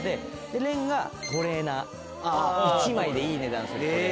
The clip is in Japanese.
廉がトレーナー１枚でいい値段するトレーナー。